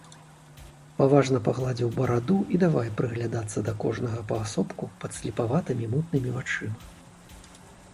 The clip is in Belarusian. Паважна пагладзіў бараду і давай прыглядацца да кожнага паасобку падслепаватымі мутнымі вачыма.